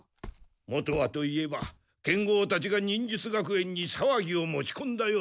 元はといえば剣豪たちが忍術学園にさわぎを持ちこんだようなもの。